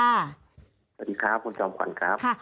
สวัสดีครับคุณจอมขวัญครับ